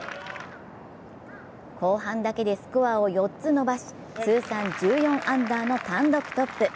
後半だけでスコアを４つ伸ばし通算１４アンダーの単独トップ。